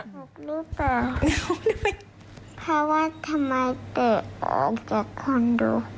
ออกลูกอ่ะเขาว่าทำไมเตะออกจากคอนโด